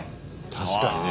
確かにね